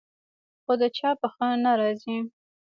خو د چا په ښه نه راځي.